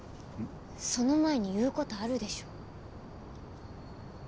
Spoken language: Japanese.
その前に言うことあるでしょ。